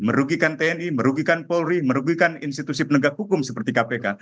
merugikan tni merugikan polri merugikan institusi penegak hukum seperti kpk